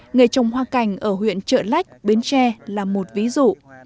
người trồng hoa cành ở huyện trợ lách biến tre là một ví dụ